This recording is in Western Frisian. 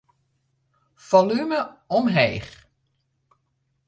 Folume omheech.